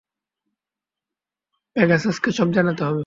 প্যাগাসাসকে সব জানাতে হবে!